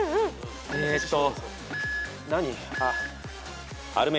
えっと何？